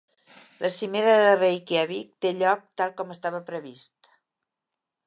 La cimera de Reykjavík té lloc tal com estava previst.